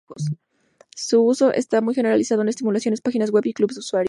Su uso está muy generalizado en emuladores, páginas web y clubs de usuarios.